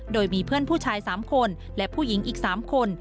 โดยมีเพื่อนผู้ชาย๓คนและผู้หญิงอีก๓คน